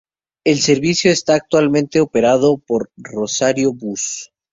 El servicio está actualmente operado por Rosario Bus.